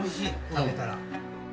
食べたら。